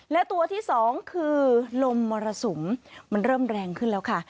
และตัวที่สองคือลมมรสุมมันเริ่มแรงขึ้นแล้วค่ะ